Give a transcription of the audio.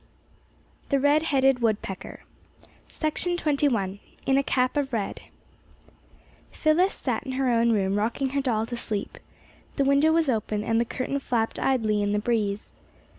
THE RED HEADED WOODPECKER [Illustration: Woodpecker] IN CAP OF RED Phyllis sat in her own room, rocking her doll to sleep. The window was open and the curtain flapped idly in the breeze.